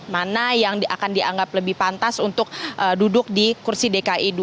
mana yang akan dianggap lebih pantas untuk duduk di kursi dki dua